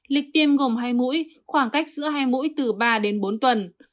lịch tiêm gồm hai mũi khoảng cách giữa hai mũi từ ba đến bốn tuần